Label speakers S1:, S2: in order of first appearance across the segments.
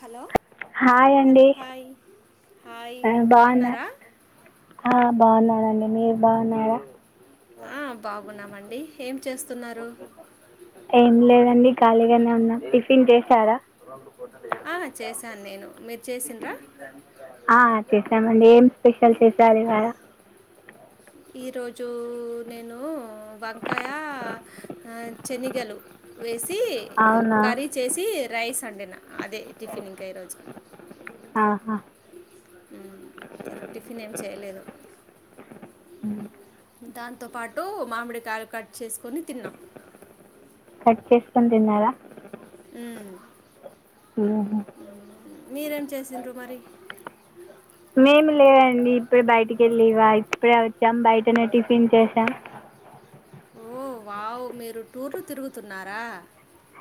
S1: Hello hello hi hi
S2: ఆ బాగున్నా
S1: బాగున్నారా
S2: ఆ బాగున్నానండి మ బాగునర
S1: ఆ బాగున్నామండి ఏం చేస్త
S2: ఏం లేదండి ఖాళీగానే ఉన్నా టిఫిన్ చేశారా
S1: ఆ చేశాను నేను మీరు చేసిండ్రా
S2: ేమడి ఏం స్పెషల్ చేసారు ఇవాళ
S1: ఈరోజు నేను వంకాయ శనిగలు వేసి
S2: అవునా
S1: కర్రీ చేసి రైస్ డిన అదే టిఫిన్ ఇంకా ఈరోజు
S2: ఆహా.
S1: ఉ టిఫిన్ ఏం చేయలేదు
S2: ఉమ్.
S1: తో పాటు మామిడికాయ కట్ చేసుకొని తిన్నాం
S2: కట్ చేసుకుకొని తిన్నారా
S1: అ
S2: ఓహో
S1: మీరేం చేసిండ్రు మరి
S2: మేమి లేవండి ఇప్పుడ బయటికి వెళ్ళవా ఇప్పుడే వచ్చాం బయటనే టిఫిన్ చేసాం
S1: ఓ వావ్ మీరు టూర్లు తిరుగుతున్నారా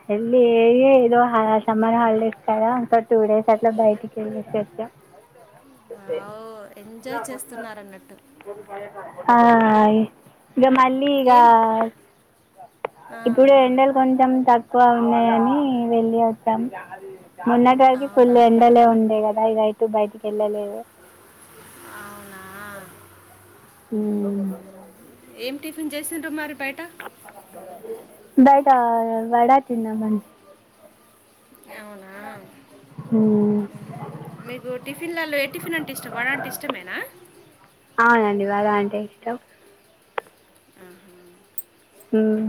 S2: వెళ్ళి ఏ ఏదో సమ్మర్ హాలిడేస్ కదా అంత టూ డేస్ అట్లా బయటికి వెళ్వచ్చు
S1: వావ్ ఎంజాయ్ చేస్తున్నారన్నట్టు
S2: ఆ హమ్ ఇగ మళ్ళీ ఇగ
S1: ఏం ఆ,
S2: ఇప్పుడు
S1: ఆ,
S2: ఎండలు కొంచెం తక్ బాగున్నాయని వెళ్ళి వద్దాం మన్నటివరిగి
S1: అవునా
S2: ఫుల్ ఎండలే ఉండే గదా ఇదైతు బయటికి వెళ్ళలేదు
S1: అవునా
S2: హమ్
S1: మ్మ్హ్మ్. ఏం టిఫిన్ చేసిండ్రు మర్ పేట
S2: ఆ వడా తిన్నామండి
S1: అవునా
S2: మ్మ్.
S1: హమ్ మీకు టిఫిన్లలో ఏ టిఫిన్ అంటే ఇష్టం వడ అంటే ఇష్టమేనా
S2: అవునండి వడ అంటే ఇష్టం
S1: హమ్మ్
S2: మ్మ్.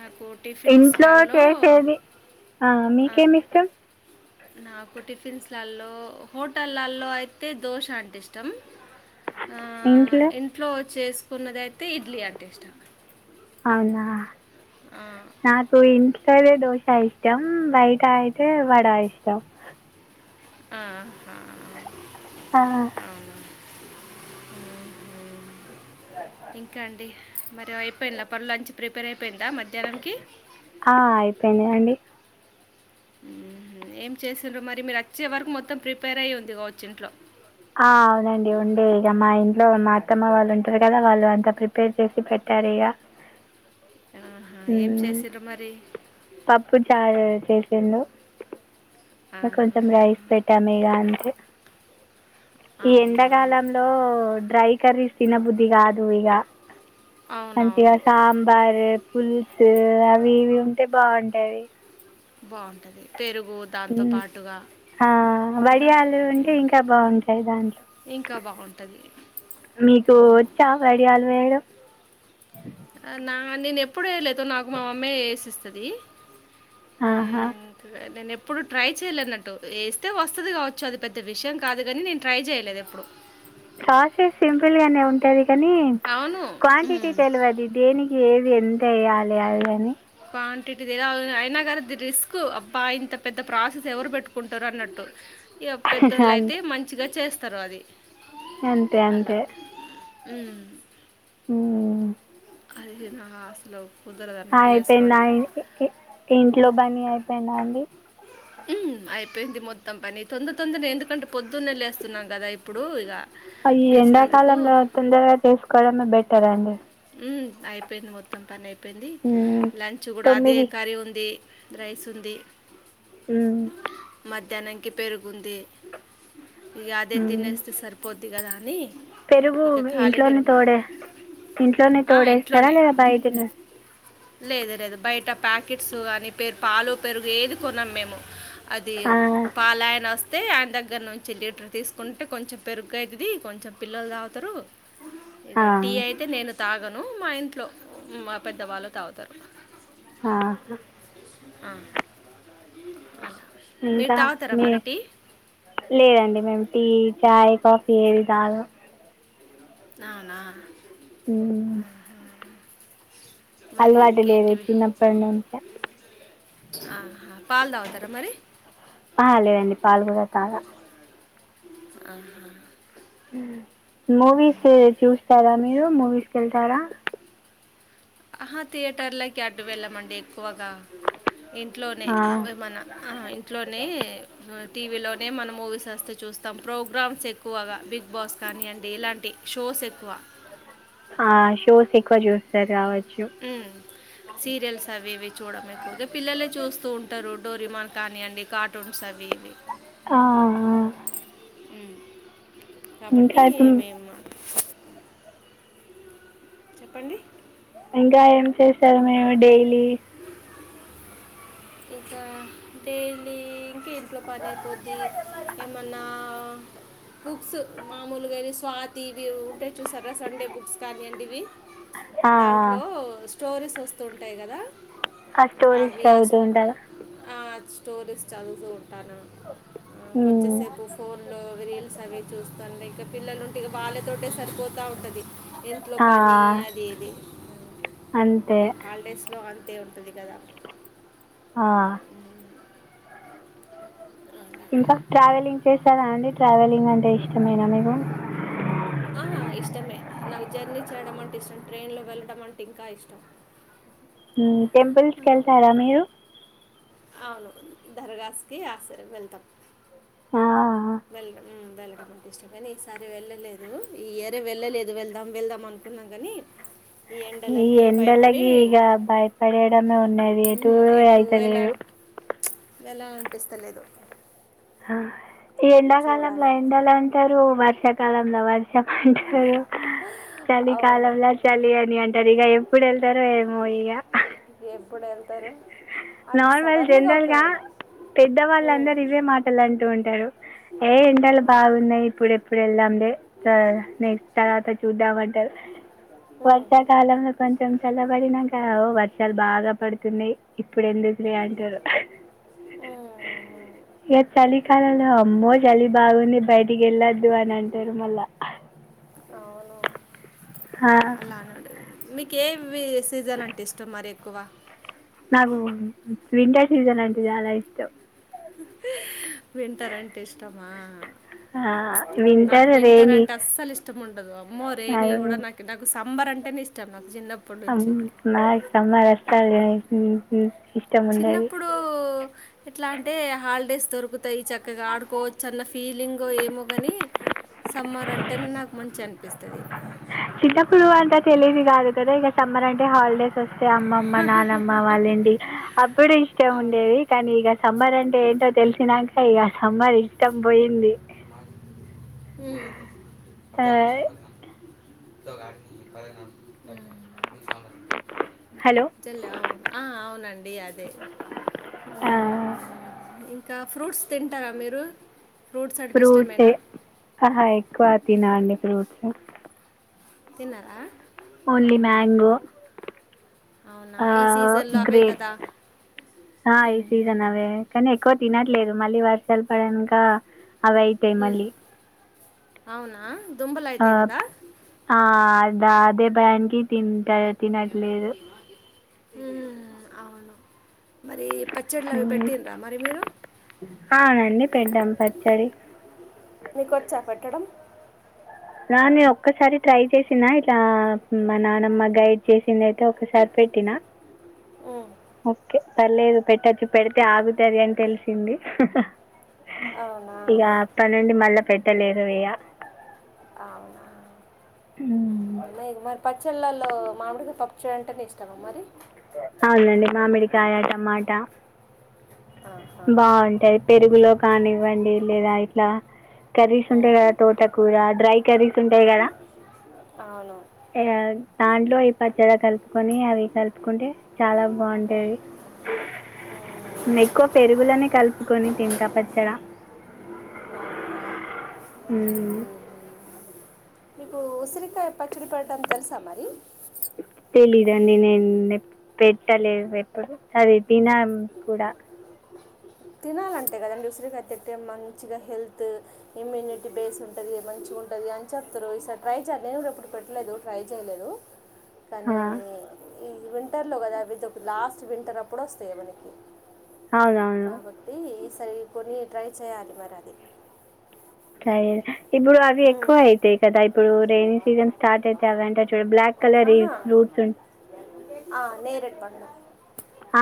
S1: నాకు
S2: ఇంట్లో
S1: టిఫిన్స్లలో
S2: చేసేది ఆ
S1: ఆ.
S2: మీకేమి ఇష్టం
S1: నాకు టిఫిన్స్లల్లో హోటల్లల్లో అయితే దోశ అంటే ఇష్టం ఆ ఇంట్లో వచేసి కొన్నదిఐతే ఇడ్లీ అంటే ఇష్టం
S2: అవునా
S1: ఆ,
S2: నాకు ఇంట్ సరే దోశ ఇష్టం బయటా అయితే వడా ఇష్టం
S1: ఆహా
S2: ఆ
S1: అవునా ఇంక అండి మరి అయిపోయిందా పర్ లంచ్ ప్రిపేర్ అయిపోయిందా మధ్యాహ్నంకి
S2: ఆ అయిపోనాయ్ అండి
S1: మ్మ్. ఏం చేసిండ్రో మరి మీరు వచ్చే వరకు మొత్తం ప్రిపేర్ అయ్యి ఉంది కావచ్చు ఇంట్లో
S2: ఆ అవునండి ఉండే ఇగ మా ఇంట్లో మా అత్తమ్మ వాళ్ళు ఉంటారు కదా వాళ్ళు అంతా ప్రిపేర్ చేసి పెట్టారు ఇగ
S1: ఆహా. ఏం
S2: హమ్
S1: చేసిండ్రు మరి
S2: పప్పుచారు చేసిండ్రు ఇ
S1: ఆహా.
S2: కొంచెం రైస్ పెట్టాము ఇగ అంతే ఈ
S1: అవునా
S2: ఎండాకాలంలో డ్రై కర్రీస్ తిన బుద్ధి కాదు ఇగ మంచిగా
S1: అవునవును
S2: సాంబార్ పుల్సు అవి ఇవి ఉంటే బాగుంటది
S1: బాగుంటది
S2: హమ్ ఆ
S1: కదా
S2: వడియాలు ఉంటే
S1: ఉమ్.
S2: ఇంకా బాగుంటాయి దాంట్లో
S1: ఇంకా బాగుంటుంది
S2: మీకు
S1: అవును
S2: వచ్చా వడియాలు వేయడం
S1: నా నేను ఎప్పుడ వేయలేదు నాకు మా మమ్మీ వేసిస్తది
S2: ఆహా!
S1: హ్మ్ [inaudible] నేనెప్పు అప్పుడు ట్రై చేయలేన్నట్టు వేస్తే వస్తది కావచ్చు. అది పెద్ద విషయం కాదు. కానీ నేను ట్రై చేయలేదు. ఎప్పుడు
S2: [unintelligible] సింపుల్ గానే ఉంటది. కానీ
S1: అవును
S2: క్వాంటిటీ తెలివాది దేనికి ఏది ఎంత యేయ్యాలి అది అని
S1: క్వాంటిటీ తెల్వదు అయినా కదా రిస్క్ అబ్బా ఇంత పెద్ద ప్రాసెస్ ఎవరు పెట్టుకుంటారు. అన్నట్టు యెవ్ పెద్దోళ్ళ అయితే
S2: అంతే
S1: మంచిగా చేస్ తర్వాది
S2: అంతే అంతే
S1: హ్మ్
S2: హ్మ్
S1: అదేనా అసలు కుదరదు అన్నట్టు
S2: అయిపోయిందా
S1: చేసుకోవడం
S2: ఇంట్లో పని అయిపోయిందా అ
S1: అయిపోయింది. మొత్తం పని తొందర తొందర ఎందుకంటే పొద్దున్నే లేేస్తున్నాం. కదా ఇప్పుడు ఇక
S2: ఈ
S1: లేచినందుకు
S2: ఎండాకాలంలో తొందరగా చేసుకోవడమే బెటర్ అండి.
S1: ఉమ్, అయిపోయింది. మొత్తం పని అయిపోయి చెప్పింది.
S2: మ్మ్.
S1: లంచ్ కూడా అదే
S2: తొమ్మిది
S1: కర్రీ ఉంది. రైస్ ఉంది.
S2: హ్మ్
S1: మధ్యాహ్ననికి పెరుగుంది. ఇగా అదే
S2: మ్మ్.
S1: తినేస్తే సరిపో ఇగా దాంది
S2: పెరుగు ఇంట్లోనే తోడేస్, ఇంట్లోనే
S1: ఆ,
S2: తోడేస్తర
S1: ఇంట్లోనే
S2: లేదా బయటి నుం
S1: లేదు లేదు బయట ప్యాకెట్స్ అవి పాలు, పెరుగు ఏది కొనాం మేము అది
S2: ఆ,
S1: పాలాయన స అయితే ఆయన దగ్గర నుంచి లీటర్ తీసుకుంటే, కొంచెం పెరుగ్ అయితది. కొంచెం పిల్లలు తాగుతారు.
S2: ఆ,
S1: ఇగా టీ అయితే నేను తాగను. మా ఇంట్లో పెద్దవాళ్ళు తాగుతారు.
S2: ఆ
S1: హ్మ్
S2: ఇంకా
S1: తాగుతారా మరి
S2: మీమ్
S1: టీ
S2: లేదండి. మేము టీ, చాయ్, కాఫీ ఏ తాగాం
S1: నాన్న
S2: మ్మ్
S1: మరి
S2: అలవాటు లేదు
S1: ఇంకేంటివి
S2: చిన్నప్పటి నుంచే
S1: ఆహా పాలు తాగుతారా మరి
S2: ఆ లేవండి పాలు కూడా తాగ
S1: ఆహా
S2: హ మూవీస్ చూస్తారా మీరు మూవీస్ వెళ్తారా
S1: ఆహా థియేటర్లకి అటు వెళ్ళమండి ఎక్కువగా ఇంట్లోనే
S2: ఆ
S1: మన ఇంట్లోనే టీవీలోనే మన మూవీస్ వస్తే చూస్తాం ప్రో ప్రోగ్రామ్స్ ఎక్కువగా బిగ్ బాస్ కానీ అండి ఇలాంటి షోస్ ఎక్కువ
S2: ఆ షోస్ ఎక్కువ చెస్ స్టార్ కావా
S1: సీరియల్స్ అవి ఇవి చూడం ఎక్కువగా పిల్లలే చూస్తూ ఉంటారు డోరిమాన్ కానీయండి కార్టూన్స్ అవి ఇవి
S2: ఆ
S1: ఉమ్, కాబట్టి
S2: ఇంకా ఇప్పుడు
S1: మేము చెప్పండి
S2: ఇంకా ఏం చేశారు మేము డైలీ
S1: ఇకా డైలీ ఇంక్ ఇట్లో పని అయిపోద్ది ఏమన్నా బుక్స్ మామూలుగా స్వాతి ఇవి ఉంటే చూసారా సండే బుక్స్ కానీవండి ఇవి
S2: ఆ
S1: దాంట్లో స్టోరేస్ వస్తూ ఉంటాయి కదా
S2: ఆ స్టోరీస్
S1: అవి ఆ
S2: చదువుతూ
S1: స్-
S2: ఉంటారా
S1: ఆ స్టోరీస్ చదువుతూ ఉంటాను
S2: మ్మ్
S1: కొద్దిసేపు ఫోన్ లో రీల్స్ అవి చూస్తను ఇ పిల్లలుంటికి వాళ్ళతోటీ సరిపోతా ఉంటుది ఇంట్లో
S2: ఆ
S1: పని అది ఇది
S2: అంతే
S1: ఇ హాలిడేస్ లో అ ట్టే ఉంటది కదా
S2: ఆ ఇంకా ట్రావెలింగ్ చేసారా అండి ట్రావెలింగ్ అంటే ఇష్టమేనా మీకు
S1: ఆ ఇష్టమే నాకు జర్నీ చేయడం అంటే ఇష్టం ట్రైన్లో వెళ్ళడం అంటే ఇంకా ఇష్టం
S2: ఉ టెంపుల్స్కి వెళ్తారా మీరు
S1: అవును దర్గాసికి వెళ్తాం
S2: ఆ
S1: వెళ్ళడం వెళ్ళడం అంటి ఇష్టం కానీ ఈసారి వెళ్ళలేదు ఈ యియర్ వెళ్ళలేదు వెళ్దాం వెళ్దాం అనుకున్నాం కానీ
S2: ఈ
S1: ఎండలకి భయపడి
S2: ఎండలకి ఇగా భయపడేడమే ఉన్నది ఎటు అయితలేదు.
S1: వెళ్ళాలనిపిస్తాలేదు.
S2: ఆ ఈ ఎండాకాలంలో ఎండలు అంటారు, వర్షాకాలంలో వర్షం అంటారు,
S1: అవును.
S2: చలికాలంలో చలి అని అంటారు, ఇగా ఎప్పుడు వెళ్తారు ఏమో ఇగా.
S1: ప్పుడెళ్తారు.
S2: నార్మల్ జనరల్ గా, పెద్ద
S1: హ్మ్.
S2: వాళ్ళందరూ ఇవే మాటలు అంటూ ఉంటారు. ఏ ఎండలు
S1: అవును.
S2: బాగున్నాయి, ఇప్పుడు ఎప్పుడు వెళ్దాంలే. నెక్స్ట్ తర్వాత చూద్దామంటారు.
S1: హ్మ్.
S2: వర్షాకాలంలో కొంచెం చల్లబడినాక వర్షాలు బాగా పడుతున్నాయి. ఇప్పుడు ఎందుకులే అంటారు.
S1: హ్మ్.
S2: ఇగా చలికాలంలో అమ్మో చలి బాగుంది బయటికి వెళ్ళొద్దు అని అంటారు మళ్ళా.
S1: అవును
S2: ఆ,
S1: అలా అనుడు. మిక్ ఏవ్వి. సీజన్ అంటే ఇష్టం మరి. కువా
S2: నాకు వింటర్ సీజన్ అంటే చాలా ఇష్టం.
S1: వింటారంటే ఇష్టమా.
S2: ఆ
S1: నాకు
S2: వింటారు
S1: వింటర్
S2: రేని.
S1: అంటే అస్సలు [unintelligible] అమ్మో రెనీ కూడా నాక్ నాకు స్. అంబర్ అంటేనేే ఇష్టం నాకు. చిన్నప్పటి నుంచి
S2: అవును నాక్ సాంబార్ ఇష్టంలే. ఉహు
S1: చిన్నప్పుడు ఎట్లా అంటే హాలిడేస్ దొరుకుతాయి, చక్కగా ఆడుకోవచ్చు, అన్న ఫీలింగో ఏమో గానీ సమ్మర్ అంటే నే నాకు మంచిగా అనిపిస్తది.
S2: చిన్నప్పుడు అంతా తెలీదు కాదు కదా, ఇగా సమ్మర్ అంటే హాలిడేస్ వాస్. సో అమ్మమ్మ నానమ్మ వాళ్ళుండి అప్పుడు ఇష్టం
S1: అవును
S2: ఉండేది, కానీ ఇగా సమ్మర్ అంటే ఏంటో తెలిసినాకా, ఇగా సమ్మర్ ఇష్టం పోయింది. ఆ
S1: [inaudible]
S2: హలో
S1: చెల్ల అవును ఆ అవునండి అదే ఉమ్మ్. ఇంక్ ఇంకా ఫ్రూట్స్ తింటారా మీరు. ఫ్రూట్స్ అంటే
S2: ఫ్రూట్స్ ఏ
S1: ఇష్టమేనా
S2: ఆహా ఎక్కువ. తిన అండి ఫ్రూట్స్.
S1: తిన్నారా
S2: ఓన్లీ మ్యాంగో.
S1: అవునా
S2: ఆ
S1: ఈ సీజన్లో అవే కదా
S2: గ్రేప్స్. ఆ ఈ సీజన్
S1: మ్మ్.
S2: అవే కానీ ఎక్కువ. తినట్లేదు మళ్ళీ వర్షాలు పడాన్. కదా అవి అయితాయ్
S1: మ్మ్.
S2: మళ్ళీ.
S1: అవునా దుంపలు
S2: ఆ
S1: అవుతాయి కదా
S2: ఆ బాధే దానికి తీన్ [unintelligible] తినట్లేదు
S1: ఉ అవును మరి పచ్చడిలు అవి
S2: హ్మ్.
S1: పెట్టినరా మరి మీరు
S2: అవునండి పెట్టాం పచ్చడి
S1: మీకు వచ్చా పెట్టడం
S2: నా నే ఒక్కసారి ట్రై చేసిన ఇలా మా నానమ్మ గైడ్ చేసింది అ ఒక సారి పెట్టినా
S1: ఉమ్,
S2: ఓకే పర్లేదు పెట్టొచ్చు పెడితే అవుతాది అని తెలిసింది
S1: అవునా
S2: ఇక అప్ప నుండి మళ్ళా పెట్టలేకపోయా
S1: అవునా
S2: ఇక
S1: మరి పచ్చళ్ళలో మామిడికాయ పప్పు [unintelligible] ఇష్టమా మరి
S2: అవునండి మామిడికాయ టమాటా
S1: ఆహా.
S2: బాగుంటాది పెరుగులో కాని వండి లేదా ఇట్లా కర్రీస్
S1: ఉమ్,
S2: ఉంటాయి కదా తోటకూర డ్రై కర్రీస్ ఉంటాయి కదా
S1: అవును
S2: దాంట్లో ఈ పచ్చడి కలుపుకొని అవి కలుపుకుంటే చాలా బాగుంటాది
S1: ఉమ్,
S2: ఎక్కువ పెరుగులనే కలుపుకొని తింటా పచ్చడా
S1: అవునా
S2: మ్మ్
S1: ఉహు. మీకు ఉసిరికాయ పచ్చడి పెడం తెలుసా మరి
S2: తెలీదండి నేను పెట్టలేదు ఎప్పుడు అది తినను కూడా
S1: తినాలంటే కదా అండి ఉసిరికాయ తిట్టే మంచిగా హెల్త్ ఇమ్యూనిటీ బేస్ ఉంటుంది మంచిగా ఉంటుంది అని చెప్తారు ఈసారి ట్రై చేయాలి నేను కూడా ఎప్పుడు పెట్టలేదు ట్రై చేయలేదు
S2: ఆ,
S1: కానీ ఈ వింటర్లో కదా అవి లాస్ట్ వింటర్ అప్పుడు వస్తాయి మనకి
S2: అవునవును
S1: కాబట్టి సరే కొన్ని ట్రై చేయాలి మరి అది
S2: సరే ఇప్పుడు అవి ఎక్కువ
S1: ఉమ్.
S2: అయితాయి కదా ఇప్పుడు రైనీ సీజన్ స్టార్ట్ అయితే అవంటే చూడ బ్లాక్ కలర్
S1: ఆహా.
S2: ఫ్రూట్స్ ఉ
S1: ఆ, నేరేడు పండు
S2: ఆ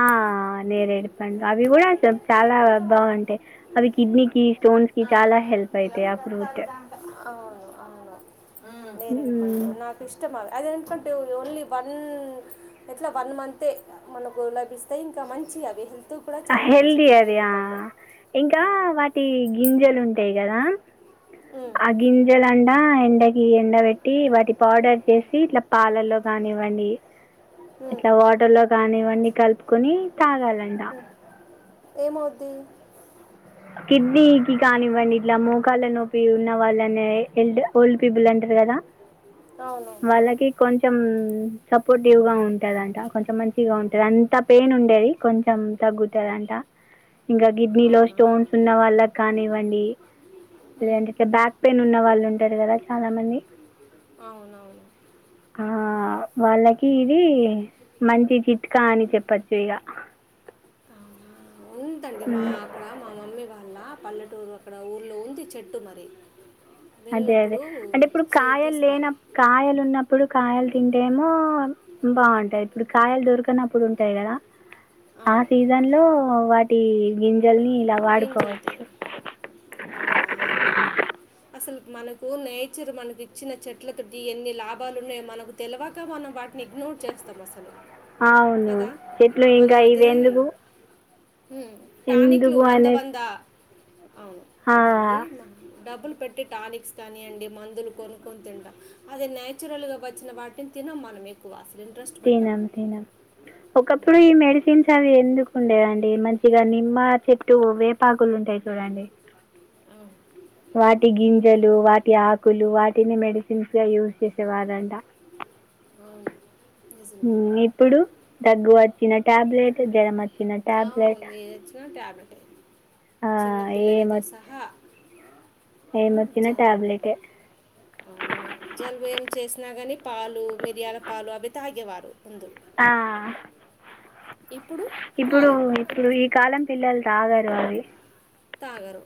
S2: నేరేడు అవి కూడా చాలా బాగుంటాయి అవి కిడ్నీ కి స్టోన్స్ కి చాలా హెల్ప్ అయితాయి ఆ ఫ్రూట్
S1: అవును అవును మ్మ్. నేరేడు పండు నాకు ఇష్టం అవి అది ఎందుకంటే ఓన్లీ వన్ ఎట్లా వన్ మంతే మనకు లభిస్తాయి ఇంకా మంచి అవి హెల్త్ కూడా చాలా
S2: హెల్తీ
S1: మంచివి
S2: అది
S1: నేరేడు
S2: ఆ
S1: పండ్లు
S2: ఇంకా
S1: అవును
S2: వాటి గింజలు ఉంటాయి కదా
S1: ఉమ్,
S2: ఆ గింజలంట ఎండకి ఎండ పెట్టి వాటి పౌడర్ చేసి ఇట్లా పాలల్లో కానివ్వండి
S1: ఉమ్,
S2: ఇట్లా వాటర్లో కానివ్వండి కలుపుకుని తాగాలంట
S1: ఏమవ్వది
S2: కిడ్నీ కి కానివ్వండి ఇట్లా మోకాళ్ళ నోపి ఉన్న వాళ్ళనే ఎల్డ్ ఓల్డ్ పీపుల్ అంటారు కదా
S1: అవును
S2: వాళ్ళకి కొంచెం సపోర్టివ్ గా ఉంటుందంట కొంచెం మంచిగా ఉంటుంది అంత పెయిన్ ఉండేది కొంచెం తగ్గుతుందంట ఇంకా కిడ్నీలో
S1: అవునా
S2: స్టోన్స్ ఉన్న వాళ్ళకి
S1: ఉమ్,
S2: కానివ్వండిలేదంటే బ్యాక్ పెయిన్ ఉన్నవాళ్ళు ఉంటారు. కదా చాలామంది,
S1: అవునవును
S2: ఆ వాళ్ళకి ఇది మంచి చిట్కా అని చెప్పచ్చు ఇగ
S1: ఉంతండి మా అక్కడ మా మమ్మీ వాళ్ల పల్లెటూరు అక్కడ ఊళ్లో ఉంది చెట్టు మరి
S2: అదే అదే
S1: వెళ్ళినప్పుడు
S2: అంటే ఇప్పుడు
S1: చే
S2: కాయలు లేన
S1: తీసుకోవాలి
S2: కాయలు ఉన్నప్పుడు కాయలు తింటేమో బాగుంటాయి. ఇప్పుడు కాయలు దొరికనప్పుడు ఉంటాయి కదా ఆ
S1: అవును
S2: సీజన్ లో వా టీ జున్ గలి
S1: గింజలతే
S2: నిలవడుకోచ్చు
S1: అవునా అసలు మనకు నేచర్ మనకు ఇచ్చిన చెట్లతో ఎన్ని లాభాలు ఉన్నాయో, మనకు తెలివక మనం వాటిని ఇగ్నోర్ చేస్తాం అసలు,
S2: అ అవును
S1: కదా
S2: చెట్లు
S1: మనం
S2: ఇంకా ఇవి
S1: అది
S2: ఎందుకు
S1: హ్మ్ తాని
S2: ఎందుకు
S1: వంద
S2: అనేసి
S1: వంద
S2: ఆ!
S1: డబ్బులు పెట్టి టానిక్స్ కానియండి మందులు కొనుక్కొని తింటాం. అదే నేయాచురల్గా వచ్చిన వాటిని తినం మనం ఎక్కువ. ఇంట్రెస్ట్ పెట్టాం
S2: తినం తినం ఒకప్పుడు ఈ మెడిసిన్స్ అవి ఎందుకు ఉండేదండి మంచిగా నిమ్మ చెట్టు, వేపాకులు ఉంటాయి చూడండి.
S1: అవును
S2: వాటి గింజలు, వాటి ఆకులు వాటిని మెడిసిన్స్ గా యూజ్ చేసేవారంట.
S1: అవును నిజమే
S2: హ్మ్ ఇప్పుడు తగ్గువట్ చిన్న ట్యాబ్లెట్ జరం
S1: అవును నేది వచ్చినా టాబ్లెట్
S2: ఆ
S1: చిన్న పిల్లలతో
S2: ఏమొచ్
S1: సహా మ్మ్
S2: ఏమొచ్చిన
S1: జల్
S2: టాబ్లెటే.
S1: జలుబు ఏం చేసినా గాని పాలు మిరియాల పాలు అవి తాగేవారు ముందు
S2: ఆ
S1: ఇప్పుడు
S2: ఇప్పుడు
S1: కాదు
S2: ఇప్పుడు ఈ కాలం పిల్లలు తాగరు అవి
S1: తాగరు